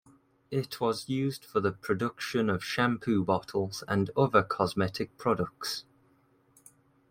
It was used for the production of shampoo bottles and other cosmetic products.